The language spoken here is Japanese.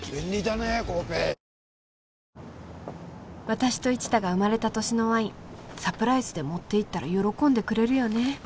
私と一太が生まれた年のワインサプライズで持っていったら喜んでくれるよね